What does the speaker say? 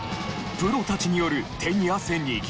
プロたちによる手に汗握るプレー。